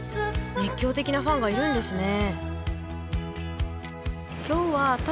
熱狂的なファンがいるんですね。